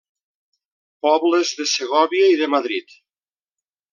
Pobles de Segòvia i de Madrid.